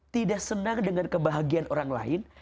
tidak senang dengan kebahagiaan orang lain